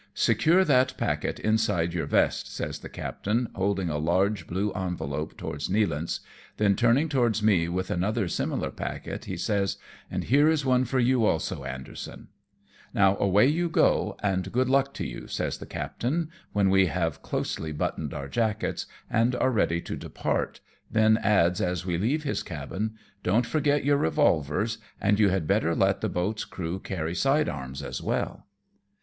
" Secure that j)acket inside your vest," says the captain, holding a large blue envelope towards Nealance, then turning towards me with another similar packet, he says, " And here is one for yoa also, Anderson/' " Now, away you go, and good luck to you," says the captain, when we have closely buttoned our jackets, and are ready to depart, then adds as we leave his cabin, "Don't forget your revolvers, and you had better let the boat's crew carry side arms as well.''